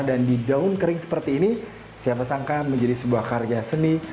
dan di daun kering seperti ini siapa sangka menjadi sebuah karya seni